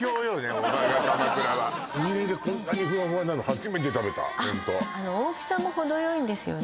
「おばがかまくら」はつみれでこんなにふわふわなの初めて食べた大きさも程よいんですよね